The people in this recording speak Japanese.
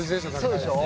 そうでしょ